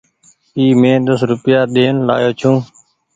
اي مين ديسو روپيا ڏين لآيو ڇون ۔